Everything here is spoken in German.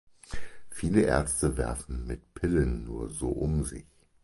Viele Ärzte werfen mit Pillen nur so um sich.